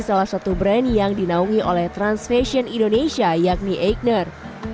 salah satu brand yang dinaungi oleh trans fashion indonesia yakni eikner